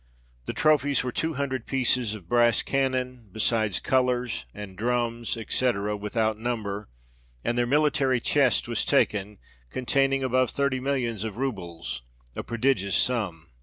The trophies were two hundred pieces of brass cannon, besides colours and drums, &c. without number ; and their military chest was taken, containing above thirty millions of roubles, a prodigious sum.